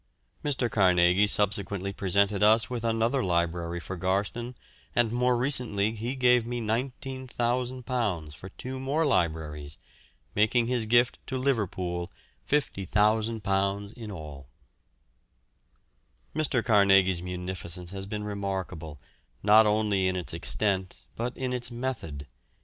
Mr. Carnegie subsequently presented us with another library for Garston, and more recently he gave me £19,000 for two more libraries, making his gift to Liverpool £50,000 in all. Mr. Carnegie's munificence has been remarkable, not only in its extent, but in its method.